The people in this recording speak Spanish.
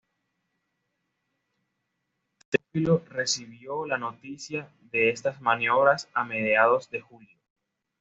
Teófilo recibió la noticia de estas maniobras a mediados de julio.